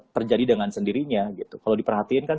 terjadi dengan sendirinya gitu kalau diperhatikan kan